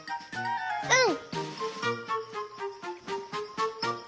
うん！